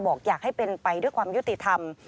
บอกอยากให้เป็นไปด้วยความยุติธรรม